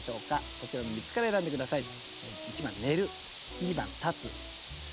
こちらの３つから選んで下さい。